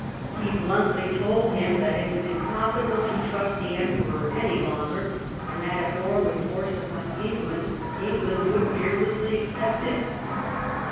He bluntly told him that it was impossible to trust the Emperor any longer; and that if war was forced upon England, England would fearlessly accept it.